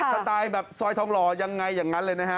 สไตล์แบบซอยทองหล่อยังไงอย่างนั้นเลยนะฮะ